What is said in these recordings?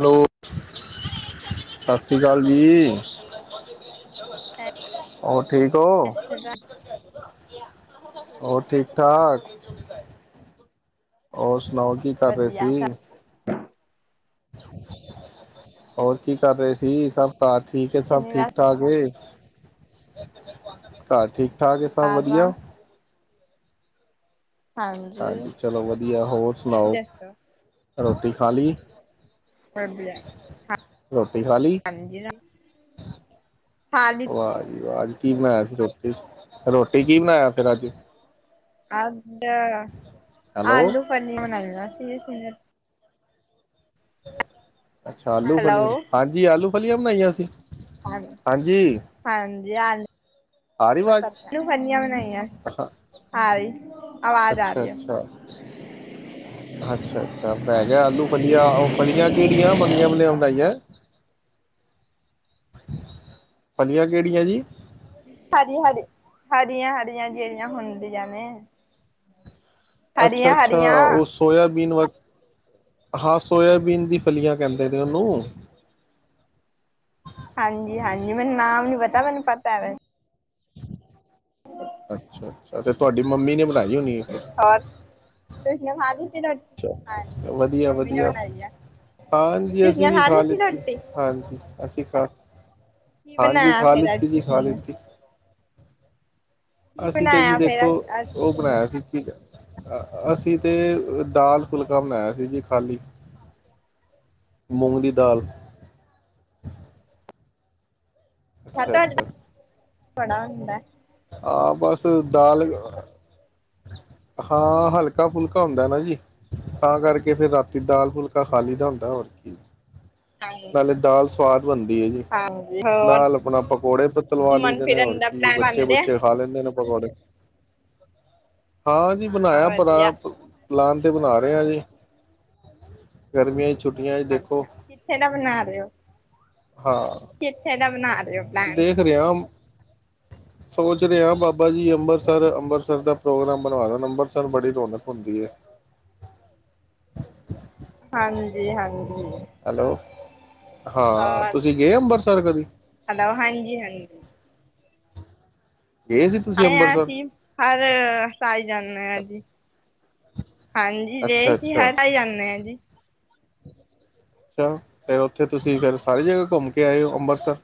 Hello ਹੈ ਸਤਿ ਸ਼੍ਰੀ ਅਕਾਲ ਜੀ। ਸਤਿ ਹੋਰ ਠੀਕ ਹੋ। ਸ਼੍ਰੀ ਅਕਾਲ। ਹੋਰ ਠੀਕ ਠਾਕ। [unintelligible] ਹੋਰ ਸੁਣਾਓ ਕੀ ਕਰ ਰਹੇ ਵਧੀਆ ਸੀ। ਸਭ ਹੋਰ ਕੀ ਕਰ ਰਹੇ ਸੀ ਸਭ ਘਰ ਠੀਕ ਸਭ ਠੀਕ ਸ਼ਨੀਵਾਰ ਠਾਕ ਏ। ਬਿਲਕ ਬਿਲਕੁ ਆ ਘਰ ਠੀਕ ਠਾਕ ਹੈ ਸਭ ਕਰ ਰਾ ਵਧੀਆ। ਹਾਂਜੀ ਚਲੋ ਵਧੀਆ ਹੋਰ ਹਾਂ। ਤੁਸੀਂ ਸੁਣਾਓ, ਦੱਸੋ ਰੋਟੀ ਖਾ ਲਈ। ਵਧੀਆ [unintelligible] ਖਾ ਲੀ, ਹਾਂਜੀ ਖਾ ਵਾਹ ਲਿੱਤੀ। ਜੀ, ਵਾਹ ਜੀ ਕੀ ਬਣਾਯਾ ਸੀ। ਰੋ ਰੋਟੀ ਕੀ ਬਣਾਇਆ ਫੇ ਅੱਜ। ਆ [unintelligible] ਹੈਲੋ ਆਲੂ ਪਨੀਰ ਬਣਲਾ ਸੀ। [unintelligible] ਹ ਅੱਛਾ ਆਲੂ ਪਨੀਰ, ਹਾਂਜੀ ਆਲੂ ਫਲੀਆਂ ਬਣਾਈਆਂ ਸੀ। ਹਾਂਜੀ- ਹਾਂਜੀ ਆ ਰਹੀ ਹਾਂਜੀ ਪਰ ਆਵਾਜ਼ ਫਨੀਆਂ ਬਣਾਈਆਂ ਹਾਂਜੀ ਅੱਛਾ, ਅੱਛਾ, ਅੱਛਾ, ਅੱਛਾ ਮੈ ਕਿਆ ਆਲੂ ਫਲੀਆਂ ਉਹ ਫਲੀਆਂ ਕਿਹੜੀਆਂ ਬਲੀਆਂ ਵੱਲੀਆਂ ਬਣਾਈਆਂ। ਫਲੀਆਂ ਕਿਹੜੀਆਂ ਜੀ? ਹਰੀ, ਹਰੀ, ਹਰੀਆਂ- ਹਰੀਆਂ ਜਿਹੜੀਆਂ ਹੁੰਦੀਆਂ ਨੇ। ਅੱਛਾ- ਅੱਛਾ ਹਰੀਆਂ-ਹਰੀਆਂ ਉਹ ਸੋਇਆਬੀਨ ਵਰ ਹਾਂ ਸੋਇਆਬੀਨ ਦੀ ਫਲੀਆਂ ਕਹਿੰਦੇ ਨੇ, ਉਹਨੂੰ ਹਾਂਜੀ, ਹਾਂਜੀ ਮੈਨੂੰ ਨਾਮ ਨੀ ਪਤਾ ਮੈਨੂੰ ਪਤਾ ਹੈ ਵੈ ਅੱਛਾ। ਔ ਤੇ ਤੁਹਾਡੀ ਮੰਮੀ ਨੇ ਬਣਾਈ ਹੋਣੀ ਹੈ ਹੋਰ ਇਸਨੇ ਖਾਲੀ ਚੱਲੋ ਵਧੀਆ, ਵਧੀਆ ਬਣਾਈ ਆ। ਹਾਂਜੀ ਤੁਸੀਂ ਅਸੀਂ ਨੇ ਵੀ ਖਾ ਲਿੱਤੀ ਲੀਤੀ ਰੋਟੀ? ਹਾਂਜੀ ਅਸੀਂ ਕ ਕੀ ਹਾਂਜੀ ਬਣਾਇਆ ਖਾ ਫੇਰ ਅੱਜ ਲਿੱਤੀ ਜੀ, ਖਾ ਤੁਸੀਂ ਨੇ? ਲਿੱਤੀ। ਕੀ ਅਸੀਂ ਤੇ ਜੀ ਬਣਾਇਆ ਫੇਰ ਦੇਖੋ ਅੱਜ ਉਹ ਤੁਸੀਂ ਨੇ? ਬਣਾਇਆ ਸੀ ਕਿ ਕੇਂ ਅ, ਅ ਅਸੀਂ ਤੇ ਦਾਲ -ਫੁਲਕਾ ਬਣਾਇਆ ਸੀ ਜੀ ਖਾਲੀ, ਮੂੰਗ ਦੀ ਦਾਲ। ਅੱਛਾ ਅੱਛਾ ਬੜਾ ਹੁੰਦਾ। ਹਾਂ ਬਸ ਦਾਲ, ਹਾਂ ਹਲਕਾ ਫੁਲਕਾ ਹੁੰਦਾ ਨਾ ਜੀ, ਤਾਂ ਕਰਕੇ ਫਿਰ ਰਾਤੀ ਦਾਲ ਫੁਲਕਾ ਖਾ ਲਈਦਾ ਹੁੰਦਾ ਹੋਰ ਕੀ। ਹਾਂਜੀ, ਨਾਲੇ ਦਾਲ ਸਵਾਦ ਬਣਦੀ ਹੈ ਜੀ ਹਾਂਜੀ ਹੋਰ ਨਾਲ ਆਪਣਾ ਪਕੌੜੇ ਪਤਲਵਾ ਘੁੰਮਣ ਲੀਦੇ ਨੇ ਫਿਰਨ ਹੋਰ ਦਾ ਕੀ ਪਲੈਨ ਬਣ ਬੱਚੇ ਬੇ ਰਿਹਾ? ਦਿੰਦੇ ਨੇ ਪਕੋੜੇ ਹਾਂ ਜੀ ਬਣਾਇਆ ਭਰਾਪ- ਪਲਾਨ ਤਾਂ ਬਣਾ ਰਹੇ ਹਾਂ ਜੀ, ਗਰਮੀਆਂ ਚ ਛੁੱਟੀਆਂ ਦੇਖੋ ਅੱਛਾ ਕਿੱਥੇ ਦਾ ਬਣਾ ਰਹੇ ਹੋ, ਹਾਂ ਕਿੱਥੇ ਦਾ [inaudible] ਦੇਖ ਰਿਹਾਂ ਸੋਚ ਰਿਹਾਂ ਬਾ- ਬਾਬਾ ਜੀ ਅੰਮ੍ਰਿਤਸਰ-ਅੰਮ੍ਰਿਤਸਰ ਦਾ ਪ੍ਰੋਗਰਾਮ ਬਣਵਾਦਾ ਗਾ ਅੰਮ੍ਰਿਤਸਰ ਬੜੀ ਰੌਣਕ ਹੁੰਦੀ ਹੈ। ਹਾਂਜੀ-ਹਾਂਜੀ, ਹੈਲੋ, ਹਾਂ ਹੋਰ ਤੁਸੀਂ ਗਏ ਅੰਬਰਸਰ। ਸਰ ਕਦੀ ਹੈਲੋ, ਹਾਂਜੀ-ਹਾਂਜੀ। ਗਏ ਸੀ ਤੁਸੀਂ ਅੰਮ੍ਰਿਤਸਰ ਅਸੀ ਹਰ ਸਾਲ ਜਾਂਦੇ ਹਾਂ ਜੀ। ਹਾਂਜੀ, ਅਸੀਂ ਅੱਛਾ-ਅੱਛਾ, ਹਰ ਸਾਲ ਜਾਂਦੇ ਹਾਂ ਜੀ। ਅੱਛਾ, ਫਿਰ ਉੱਥੇ ਤੁਸੀਂ ਫਿਰ ਸਾਰੀ ਜਗ੍ਹਾ ਘੁੰਮ ਕੇ ਆਏ ਹੋ, ਅੰਮ੍ਰਿਤਸਰ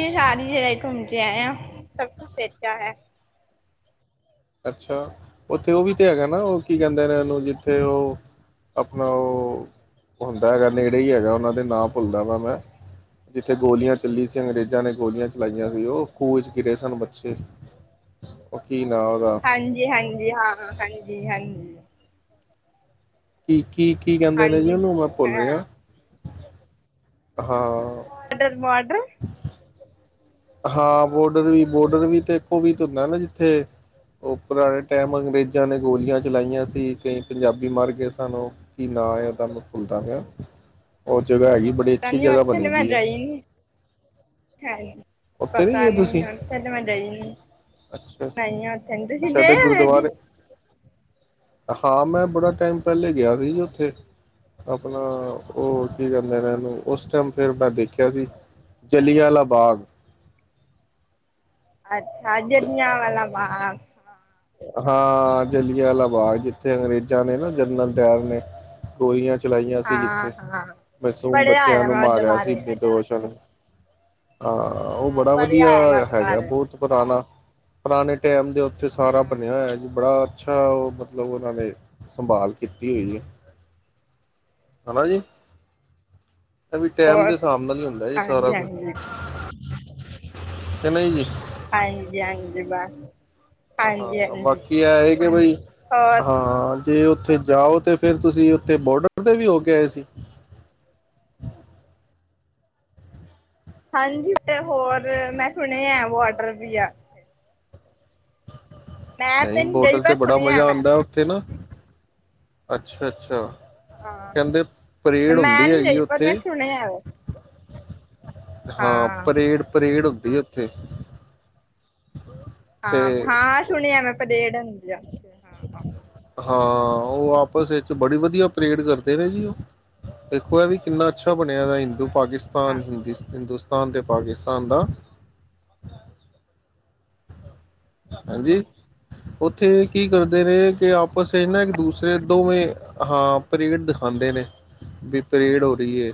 ਇਹ ਸਾਰੀ ਜਗ੍ਹਾ ਹੀ ਘੁੰਮ ਕੇ ਆਏ ਆ ਸਭ ਕੁਛ ਅੱਛਾ ਹੈ ਅੱਛਾ, ਉੱਥੇ ਉਹ ਵੀ ਤੇ ਹੈਗਾ ਨਾ ਉਹ ਕੀ ਕਹਿੰਦੇ ਨੇ, ਓਹਨੂੰ ਜਿੱਥੇ ਉਹ ਆਪਣਾ ਉਹ ਹੁੰਦਾ ਹੈਗਾ, ਨੇੜੇ ਹੀ ਹੈਗਾ ਉਹਨਾਂ ਦੇ ਨਾਂ ਭੁੱਲ ਗਿਆ ਵਾ, ਮੈਂ ਜਿੱਥੇ ਗੋਲੀਆਂ ਚੱਲੀਆ ਸੀ। ਅੰਗਰੇਜ਼ਾਂ ਨੇ ਗੋਲੀਆਂ ਚਲਾਈਆਂ ਸੀ। ਉਹ ਖੂਹ ਚ ਗਿਰੇ ਸਨ ਬੱਚੇ ਉਹ ਕੀ ਨਾਂ ਉਹਦਾ ਹਾਂਜੀ-ਹਾਂਜੀ। ਹਾਂ, ਹਾਂਜੀ- ਹਾਂਜੀ [inaudible] ਠੀਕ ਕੀ-ਕੀ ਕਹਿੰਦੇ ਨੇ ਜੀ, ਹਾਂਜੀ ਉਹਨੂੰ ਮੈਂ ਵਾਟਰ ਭੁੱਲ ਰਿਹਾ ਹਾਂ ਬਾਰਡਰ- ਹਾਂ, ਬੋਡਰ ਵੀ ਬੋਡਰ ਵੀ ਤੇ, ਇੱਕੋ ਵੀ ਤਾਂ ਹੁੰਦਾ ਨਾ ਜਿੱਥੇ ਉਹ ਪੁਰਾਣੇ ਟਾਈਮ ਅੰਗਰੇਜ਼ਾਂ ਨੇ ਗੋਲੀਆਂ ਚਲਾਈਆਂ ਸੀ। ਕਈ ਪੰਜਾਬੀ ਮਰ ਗਏ ਸਨ। ਉਹ ਕਿ ਨਾ ਆ, ਉਹਦਾ ਮੈਂ ਭੁੱਲਦਾ ਪਿਆ। ਜਗ੍ਹਾ ਹੈਗੀ। ਬੜੀ ਪਤਾ ਅੱਛੀ ਨੀ ਜਗਾ ਬਣੀ ਦੀ ਹੈ ਹਾਂ ਉੱਥੇ ਪਤਾ ਗਏ ਤੁਸੀਂ ਨਹੀਂ, ਉਥੇ ਤੇ ਮੈਂ ਗਈ ਨਹੀਂ ਅੱਛਾ ਨਹੀਂ ਉੱਥੇ ਨਹੀਂ ਤੁਸੀਂ ਅੱਛਾ ਤੇ ਗਏ ਉ ਗੁਰਦੁਆਰੇ ਜੀ ਹਾਂ, ਮੈਂ ਬੜਾ ਟਾਈਮ ਪਹਿਲੇ ਗਿਆ ਸੀ ਜੀ ਉੱਥੇ। ਆਪਣਾ ਉਹ ਕੀ ਕਹਿੰਦੇ ਰਹਿਦੇ ਨੇ, ਉਸ ਟਾਈਮ ਫਿਰ ਮੈਂ ਦੇਖਿਆ ਸੀ। ਜਲਿਆਂਵਾਲਾ ਬਾਗ ਅੱਛਾ, ਜਲਿਆਂਵਾਲਾ-ਬਾਗ ਹਾਂ, ਜਲਿਆਂਵਾਲਾ ਬਾਗ। ਜਿੱਥੇ ਅੰਗਰੇਜ਼ਾਂ ਨੇ ਨਾ ਜਨਰਲ ਡਾਇਰ ਨੇ ਗੋਲੀਆਂ ਚ ਚਲਾਈਆਂ ਸੀ, ਹਾਂ ਜਿੱਥੇ ਹਾਂ ਮਾਸੂਮ ਪੜ੍ਹਿਆ ਬੱਚਿਆਂ ਹੋਇਆ ਨੂੰ ਮੈਂ ਉਹਦੇ ਮਾਰਿਆ ਸੀ ਬਾਰੇ ਨਿਰਦੋਸ਼ਾਂ ਨੂੰ- ਹਾਂ, ਉਹ ਹਾਂ ਬੜਾ ਪੜ੍ਹਿਆ ਵਧੀਆ ਹੋਇਆ ਮੈਂ ਉਹਦੇ ਹੈਗਾ। ਬਾਰੇ ਬਹੁਤ ਪੁਰਾਣਾ ਪੁਰਾਣੇ ਟੈਮ ਦੇ ਉੱਥੇ- ਸਾਰਾ ਬਣਿਆ ਹੋਇਆ ਜੀ। ਬੜਾ ਅੱਛਾ ਮਤਲਬ ਉਹਨਾਂ ਨੇ ਸੰਭਾਲ ਕੀਤੀ ਹੈ ਜੀ ਹਨਾ ਜੀ -ਵੀ ਟੈਮ ਹੋਰ ਦੇ ਹਿਸਾਬ ਨਾਲ ਹੀ ਹੁੰਦਾ ਇਹ ਹਾਂਜੀ ਸਾਰਾ ਕੁਛ ਹਾਂਜੀ ਕਿ ਨਹੀਂ ਜੀ ਹਾਂਜੀ-ਹਾਂਜੀ ਹਾਂ, ਬਾਕੀ ਇਹ-ਇਹ ਕਿ ਬਈ ਹੋਰ ਹਾਂ, ਜੇ ਉਥੇ ਉੱਥੇ ਜਾਓ ਤੇ ਫਿਰ ਤੁਸੀਂ ਉੱਥੇ ਬੋਡਰ ਤੇ ਵੀ ਹੋ ਕੇ ਆਏ ਸੀ ਹਾਂਜੀ ਤੇ ਹੋਰ ਮੈਂ ਸੁਣ ਆ ਵਡ ਵੀਆ ਨਹੀਂ ਤੇ ਨੀ ਬੋਡਰ ਰਹੀ ਤੇ ਪਰ ਬੜਾ ਸੁਣਿਆ ਮਜ਼ਾ ਮੈਂ ਆਉਂਦਾ ਉੱਥੇ ਨਾ ਅੱਛਾ ਅੱਛਾ ਹਾਂ ਕਹਿੰਦੇ ਪਰੇਡ ਮੈਂ ਹੁੰਦੀ ਨੀ ਹੈਗੀ ਰਹੀ ਪਰ ਮੈਂ ਉੱਥੇ ਸੁਣਿਆ ਆ ਵ ਹਾਂ ਪਰੇਡ ਪਰੇਡ ਹ ਤੀ ਉੱਥੇ ਹਾਂ ਤੇ ਹਾਂ ਸੁਣਿਆ ਮੈਂ ਆਪ ਦੇੜ ਹਾਂ ਹਾਂ ਉਹ ਆਪਸ ਵਿੱਚ ਬੜੀ ਵਧੀਆ ਪਰੇਡ ਕਰਦੇ ਨੇ ਜੀ। ਉਹ ਦੇਖੋ ਹੈ ਵੀ ਕਿੰਨਾ ਅੱਛਾ ਬਣਿਆ ਦਾ ਹਿੰਦੂ ਪਾਕਿਸਤਾਨ ਹਾਂ ਹਿੰਦੁਸਤਾਨ ਹਿੰਦੂਸਤਾਨ ਤੇ ਪਾਕਿਸਤਾਨ ਦਾ ਹਾਂਜੀ ਉੱਥੇ ਕੀ ਕਰਦੇ ਨੇ ਕਿ ਆਪਸ ਨਾ ਇੱਕ ਦੂਸਰੇ ਦੋਵੇਂ ਹਾਂ ਪਰੇਡ ਦਿਖਾਉਂਦੇ ਨੇ। ਵੀ ਪਰੇਡ ਹੋ ਰਹੀ ਹੈ,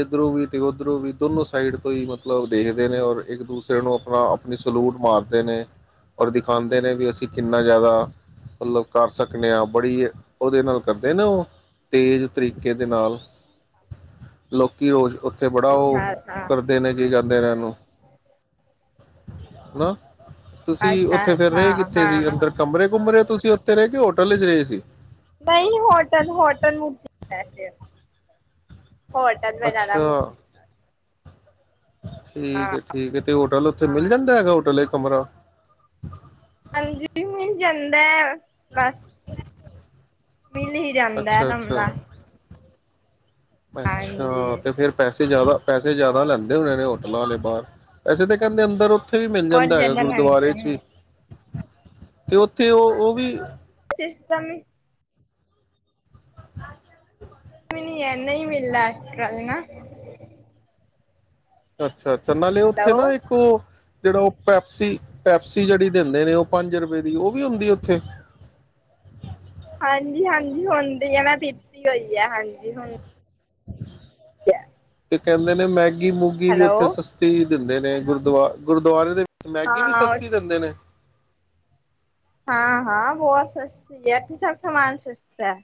ਇਧਰੋਂ ਵੀ ਤੇ ਓਧਰੋਂ ਵੀ ਦੋਨੋ ਸਾਈਡ ਤੋਂ ਹੀ ਮਤਲਬ ਦੇਖਦੇ ਨੇ ਔਰ ਇੱਕ ਦੂਸਰੇ ਨੂੰ ਆਪਣਾ ਆਪਣੀ ਸਲੂਟ। ਮਾਰਦੇ ਨੇ। ਔਰ ਦਿਖਾਉਂਦੇ ਨੇ ਵੀ ਅਸੀਂ ਕਿੰਨਾ ਜ਼ਿਆਦਾ ਮਤਲਬ ਕਰ ਸਕਦੇ ਹਾਂ ਬੜੀ ਉਹਦੇ ਨਾਲ ਕਰਦੇ ਨੇ ਉਹ ਤੇਜ਼ ਤਰੀਕੇ ਦੇ ਨਾਲ ਲੋਕ ਕੀ ਰੋਜ਼ ਓ ਓਥੇ ਬੜਾ ਉਹ ਅੱਛਾ ਅੱਛਾ ਕਰਦੇ ਨੇ ਕੀ ਜਾਂਦੇ ਨੇ ਦ [unintelligible] ਨਾ ਤੁਸੀਂ ਅੱਛਾ ਉੱਥੇ ਫੇਿਰ ਅੱਛਾ ਰਹੇ ਕਿੱਥੇ ਸੀ ਹਾਂ ਅੰਦਰ ਕਮਰੇ ਕੁੰਮਰੇ ਤੁਸੀਂ ਉੱਥੇ ਰਹਿ ਕੇ ਹੋਟਲ ਵਿੱਚ ਰਹੇ ਸੀ। ਨਹੀਂ ਹੋਟਨ ਹੋਟਨ ਮੁੈ [unintelligible] ਅੱਛਾ [unintelligible] ਹੋ ਵਟਾ ਬੈਨਾਂਲਾ ਅੱਛਾ ਮੁਕਤੀ [unintelligible] ਠੀਕ ਹਾਂ ਹੈ ਠੀਕ ਹੈ ਤੇ ਹੋਟਲ ਤੇ ਮਿਲ ਜਾਂਦਾ ਹੈਗਾ ਹੋਟਲ ਤੇ ਕਮਰਾ ਹਾਂਜੀ ਜਾਂਦਾ ਬਸ ਮਿਲ ਹੀ ਜਾਂਦਾ ਹੈ ਅੱਛਾ ਅੱਛਾ ਕਮਰਾ ਅੱਛਾ ਹਾਂਜੀ ਤੇ ਫੇਰ ਪੈਸੇ ਜਿਆਦਾ ਪੈਸੇ ਜਿਆਦਾ ਹੋਰ ਲੈਂਦੇ ਹੋਣੇ ਨੇ ਉਹ ਲਾ ਲੇ ਬਾਹਰ ਵੈਸੇ ਤਾਂ ਕਹਿੰਦੇ ਅੰਦਰ ਉੱਥੇ ਵੀ ਮਿਲ ਬਹੁਤ ਜਾਂਦਾ ਹੈਗਾ ਜ਼ਿਆਦਾ ਲੈਂਦੇ ਗੁਰਦੁਆਰੇ ਚ ਨੇ ਵੀ ਤੇ ਉੱਥੇ ਉਹ ਉਹ ਵੀ ਸਿਸਟਮ ਵੀ ਨਹੀਂ ਹੈ ਨਹੀਂ ਮਿਲਦਾ ਐਕਟਰਲ ਨਾ [unintelligible] ਅਹ [unintelligible] ਅੱਛਾ ਤੇ ਨਾਲੇ ਉੱਥੇ ਨਾ ਹੈਲੋ ਇੱਕ ਉਹ ਜਿਹੜਾ ਉਹ ਪੈਪਸੀ ਪੈਪਸੀ ਜਿਹੜੀ ਦਿੰਦੇ ਨੇ ਉਹ ਪੰਜ ਰੁਪਏ ਦੀ ਉਹ ਵੀ ਹੁੰਦੀ ਉੱਥੇ ਲੱਗੀ ਹੋਈ ਹੈ ਹਾਂਜੀ ਹੁਣ ਤੇ ਕਹਿੰਦੇ ਨੇ ਮੈਂ ਗੀ ਮੂੰਗੀ ਵੀ ਹੈਲੋ ਉੱਥੇ ਸਸਤੀ ਦਿੰਦੇ ਨੇ ਗੁਰਦੁਆ ਗੁਰਦੁਆਰੇ ਦੇ ਮੈਗੀ ਵੀ ਹਾਂ ਸਸਤੀ ਦਿੰਦੇ ਨੇ ਹਾਂ ਹਾਂ ਬਹੁਤ ਸਸਤੀ ਹੈ। ਕਿ ਸਭ ਸਮਾਨ ਸਸਤਾ ਹੈ।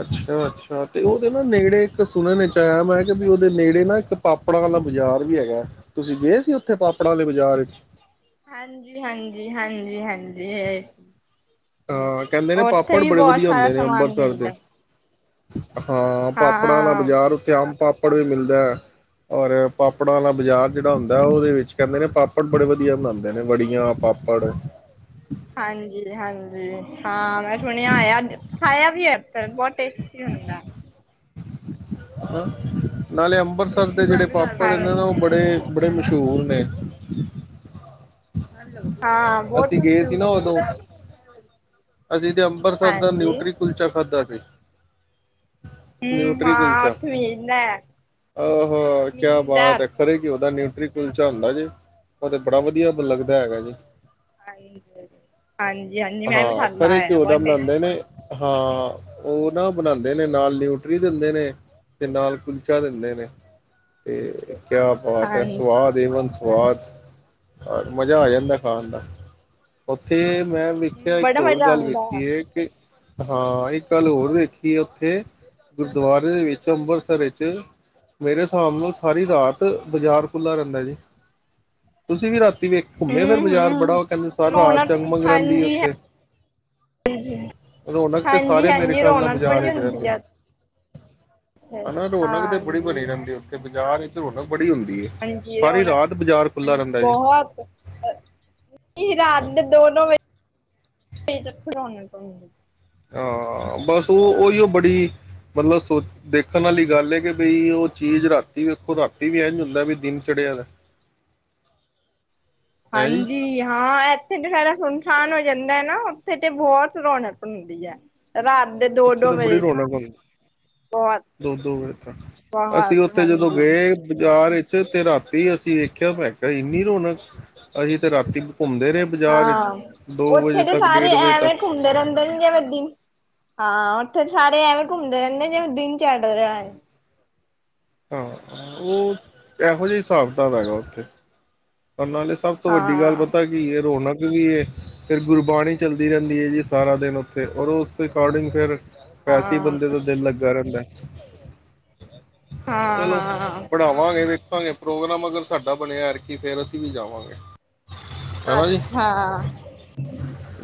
ਅੱਛਾ ਅੱਛਾ ਤੇ ਉਹਦੇ ਨਾ ਨੇੜੇ ਇੱਕ ਸੁਣਨ ਵਿੱਚ ਆਇਆ ਮੈਂ ਕਿ ਵੀ ਉਹਦੇ ਨੇੜੇ ਨਾ ਇੱਕ ਪਾਪੜਾ ਵਾਲਾ ਬਾਜ਼ਾਰ ਵੀ ਹੈਗਾ ਤੁਸੀਂ ਗਏ ਸੀ ਉੱਥੇ ਪਾਪੜਾ ਵਾਲੇ ਬਾਜ਼ਾਰ ਵਿੱਚ ਹਾਂਜੀ ਹਾਂਜੀ ਹਾਂਜੀ ਹਾਂਜੀ ਇਹ [unintelligible] ਹਾਂ ਕਹਿੰਦੇ ਨੇ ਪਾਪੜ ਬੜੇ ਵਧੀਆ ਸਾਰਾ ਹੁੰਦੇ ਨੇ ਸਮਾਨ ਅੰਬ੍ਰਸਰ ਦੇ ਮਿਲਦਾ ਹਾਂ ਪਾਪੜਾਂ ਦਾ ਹਾਂ ਬਾਜ਼ਾਰ ਉੱਥੇ ਅੰਬ ਪਾਪੜ ਪਾਪੜ ਵੀ ਮਿਲਦਾ ਔਰ ਪਾਪੜਾਂ ਵਾਲਾ ਬਾਜ਼ਾਰ ਜਿਹੜਾ ਹੁੰਦਾ ਉਹਦੇ ਵਿੱਚ ਕਹਿੰਦੇ ਨੇ ਪਾਪੜ ਬੜੇ ਵਧੀਆ ਬਣਾਂਦੇ ਨੇ ਵੜੀਆਂ ਪਾਪੜ ਹਾਂਜੀ ਹਾਂਜੀ ਜ [unintelligible] ਹਾਂ ਮੈਂ ਸੁਣਿਆ ਹੋਇਆ ਖਾਇਆ ਵੀ ਹੈ ਬਹੁਤ ਟੇਸਟੀ ਹੁੰਦਾ ਹਾਂ ਨਾਲੇ ਅੰਮ੍ਰਿਤਸਰ ਦੇ ਜਿਹੜੇ ਪਾਪੜ ਨੇ ਹਾਂਜੀ ਨਾ ਉਹ ਬੜੇ ਬੜੇ ਮਸ਼ਹੂਰ ਨੇ ਹਾਂ [inaudible] ਬਹੁਤ ਅਸੀਂ ਗਏ ਸੀ ਮਸ਼ਹੂਰ ਨਾ ਨੇ ਉਦੋਂ ਅਸੀਂ ਇਹਦੇ ਅੰਮ੍ਰਤਸਰ ਦਾ ਹਾਂਜੀ ਨਿਊਟਰੀ ਕੁਲਚਾ ਖਾਧਾ ਸੀ ਸ [unintelligible] ਹਮ ਆ [unintelligible] ਆਹਹੋ ਕਿਆ ਮਿਲਦਾ ਬਾਤ ਹੈ ਉੱਥੇ ਖਰੇ ਕਿ ਉਦਾ [unintelligible] ਨਿਊਟਰੀ ਕੁਲਚਾ ਹੁੰਦਾ ਜੀ ਉਹ ਤੇ ਬੜਾ ਵਧੀਆ ਲੱਗਦਾ ਹੈਗਾ ਜੀ ਹਾਂਜੀ ਹਾਂਜੀ ਮੈਂ ਹਾਂ ਖਾਧਾ ਖਰੇ ਹੈ ਘਿਓ ਦਾ ਬਹੁਤ ਬਣਾਉਂਦੇ ਨੇ ਹਾਂ ਉਹ ਨਾ ਬਣਾਉਦੇ ਨੇ ਨਾਲ ਨਿਊਟਰੀ ਦਿੰਦੇ ਨੇ ਤੇ ਨਾਲ ਕੁਲਚਾ ਦਿੰਦੇ ਨੇ ਤੇ ਕਿਆ ਬਾਤ ਹੈ ਹਾਂਜੀ। ਸਵਾਦ ਏਵਨ ਸਵਾਦ ਮਜ਼ਾ ਆ ਜਾਂਦਾ ਖਾਣ ਦਾ ਉੱਥੇ ਮੈਂ ਵੇਖਿਆ ਇੱਕ ਬੜਾ ਹੋਰ ਮਜ਼ਾ ਗੱਲ ਆਉਂਦਾ ਵੇਖੀ ਏ ਕਿ ਹਾਂ ਇੱਕ ਗੱਲ ਹੋਰ ਦੇੇਖੀ ਹੈ ਉੱਥੇ ਗੁਰਦੁਆਰੇ ਦੇ ਵਿੱਚ ਅੰਬਰਸਰ ਵਿੱਚ ਮੇਰੇ ਹਿਸਾਬ ਨਾਲ ਸਾਰੀ ਰਾਤ ਬਾਜ਼ਾਰ ਖੁੱਲਾ ਰਹਿੰਦਾ ਜੀ ਤੁਸੀਂ ਵੀ ਰਾਤੀ ਵੇਖੋ ਘੁੰਮ ਕੇ ਫਿਰ ਹੂੰ ਬਾਜ਼ਾਰ ਬੜਾ ਹੂੰ ਉਹ ਕਹਿੰਦੇ ਰਾਤ ਰੌਣਕ ਜਗ ਮਗ ਰਹਿੰਦੀ ਹਾਂਜੀ ਉੱਥੇ, ਹਾਂਜੀ ਰੌਣਕ ਤੇ ਹਾਂਜੀ ਸਾਰੇ ਮੇਰੇ ਹਾਂਜੀ ਖਿਆਲ ਨਾਲ ਰੌਣਕ ਬਾਜ਼ਾਰ ਬੜੀ ਵਿੱਚ ਰਹਿੰਦੀ। ਹੁੰਦੀ ਆ ਉੱਥੇ ਹਨਾ ਰੌਣਕ ਤੇ ਬੜੀ ਹਾਂਜੀ ਬਣੀ ਰਹਿੰਦੀ ਉੱਥੇ। ਜਾਾਨ [unintelligible] ਹਾਂਜੀ, ਰੋਣਕ ਖੁੱਲ੍ਹਾ ਰਹਿੰਦਾ ਜੀ ਬਹੁਤ ਰਾਤ ਦੇ ਦੋ ਦੋ ਵਜੇ ਤਕ ਰੋਣਕ। ਹਮ। ਹਾਂ ਬਸ ਉਹ ਉਹੀਓ ਬੜੀ ਮਤਲਬ ਸੋ ਦੇਖਣ ਵਾਲੀ ਗੱਲ ਏ ਕਿ ਬਈ ਉਹ ਚੀਜ਼ ਰਾਤੀ ਵੇਖੋ ਰਾਤੀ ਵੀ ਇੰਝ ਹੁੰਦਾ ਵੀ ਦਿਨ ਚੜ੍ਹਿਆ ਦਾ। ਹੈਂ ਜੀ ਹਾਂਜੀ, ਹਾਂ ਇੱਥੇ ਤੇ ਸਾਰਾ ਸੁਨਸਾਨ ਹੋਈ। ਜਾਂਦਾ ਹੈ ਨਾ ਉੱਥੇ ਤੇ ਬਹੁਤ ਰੌਣਕ ਹੁੰਦੀ ਹੈ। ਰਾਤ ਦੇ ਦੋ ਔਥੇ ਦੋ ਤੇ ਬੜੀ ਵਜੇ ਰੌਣਕ ਹੁੰਦੀ, ਬਹੁਤ ਦੋ-ਦੋ ਵਜੇ ਤਕ। ਅਸੀਂ ਬਹੁਤ ਔਥੇ ਜਦੋਂ ਹਾਂਜੀ ਗਏ ਬਜ਼ਾਰ ਇੱ ਚ ਤੇ ਰਾਤੀ ਅਸੀਂ ਵੇਖਿਆ ਮੈਂ ਕਿਹਾ ਇੰਨੀ ਰੌਣਕ ਅਹੀ ਤੇ ਰਾਤੀ ਘੁੰਮਦੇ ਰਹੇ ਬਾਜ਼ਾਰ ਵਿੱਚ ਹਾਂ, ਦੋ ਔਥੇ ਵਜੇ ਤੇ ਤੱਕ ਸਾਰੇ ਡੇਢ ਵਜੇ ਐਵੇਂ ਤੱਕ ਘੁੰਮਦੇ ਰਹਿੰਦੇ ਨੇ ਜਿਵੇਂ ਦਿਨ ਹਾਂ, ਔਥੇ ਤੇ ਸਾਰੇ ਐਵੇਂ ਘੁੰਮਦੇ ਰਹਿੰਦੇ ਜਿਵੇਂ ਦਿਨ ਚੜ ਰਿਆ ਐ। ਹਾਂ, ਔ ਐਹੋ ਜਿਆ ਈ ਸਾਬ-ਕਤਾਬ ਹੈਗਾ ਔਥੇ। ਪਰ ਨਾਲੇ ਸਭ ਤੋਂ ਹਾਂ ਵੱਡੀ ਗੱਲ ਪਤਾ ਕੀ ਏ ਰੌਣਕ ਵੀ ਏ। ਫਿਰ ਗੁਰਬਾਣੀ ਚੱਲਦੀ ਰਹਿੰਦੀ ਏ ਜੀ ਸਾਰਾ ਦਿਨ ਔਥੇ ਔਰ ਉਸ ਦੇ ਅਕੋਡਿੰਗ ਫਿਰ ਹਾਂ ਵੈਸੇ ਈ ਬੰਦੇ ਦਾ ਦਿਲ ਲੱਗਾ ਰਹਿੰਦੈ। ਹਾਂ [unintelligible] ਚਲੋ ਹਾਂ ਪੜ੍ਹਾਵਾਂਗੇ ਭਾਵੇਂ ਪ੍ਰੋਗਰਾਮ ਅਗਰ ਸਾਡਾ ਬਣਿਆ ਐਰ ਕੀ ਫੇਰ ਅਸੀ ਵੀ ਜਾਵਾਂਗੇ। ਹਨਾ ਜੀ ਅੱਛਾ।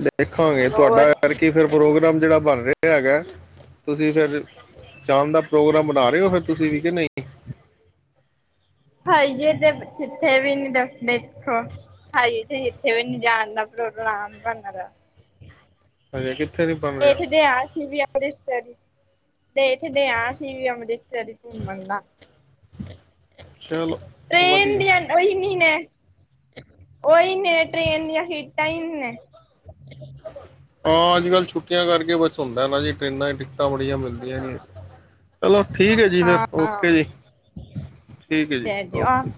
ਦੇਖਾਂਗੇ ਹਾਂ ਤੁਆਡਾ ਹੋਰ ਐਰਕੀ ਫਿਰ ਪ੍ਰੋ ਗਰਾਮ ਜੇੜਾ ਬਣ ਰਿਆ ਹੈਗੈ, ਤੁਸੀ ਫੇਰ ਸ਼ਾਮ ਦਾ ਪ੍ਰੋਗਰਾਮ ਬਣਾ ਰਹੇ ਔ ਫਿਰ ਤੁਸੀ ਵੀ ਕਿ ਨਈ। ਹਜੇ ਤੇ ਜਿੱਥੇ ਵੀ ਨੀ ਦਸ ਦੇਖੋ ਹਜੇ ਤੇ ਇੱਥੇ ਵੀ ਨੀ ਜਾਣ ਦਾ ਪ੍ਰੋਗਰਾਮ ਬਣਦਾ ਪਿਆ। ਹਜੇ ਕਿੱ ਇੱਥੇ ਤੇ ਆ [unintelligible] ਤੇ ਇਠੇ ਡੇ ਆਸੀ ਵੀ ਅੰਮ੍ਰਿਤਸਰ ਘੁੰਮਣ ਦਾ ਚਲੋ ਟ੍ਰੇਨ ਵਧੀਆ ਦੀਆ ਔਹੀ ਨੀ ਨੈ। ਔਹੀ ਨੇ ਟ੍ਰੇਨ ਦੀਆਂ ਸੀਟਾਂ ਈ ਨੰ ਨੇ। ਹਾਂ, ਅੱਜ-ਕੱਲ੍ਹ ਛੁੱਟੀਆਂ ਕਰਕੇ ਬਸ ਹੁੰਦੈ ਨਾ ਜੀ ਟਰੇਨਾਂ ਦੀ ਟਿਕਟਾਂ ਬੜੀਆਂ ਮਿਲਦੀਆਂ ਈ ਨਈ, ਚਲੋ। ਠੀਕ ਐ ਜੀ ਫਿਰ ਹਾਂ ਔਕੇ ਜੀ। ਠੀਕ ਹੈ ਜੀ, ਔਕੇ ਜੀ।